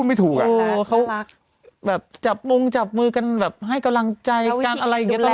ไม่ถูกอะโอ้แหละแหละแหละแหละแหละแหละแหละแหละแหละแหละ